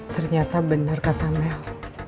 ternyata benar kata mel